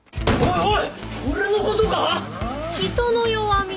⁉おい！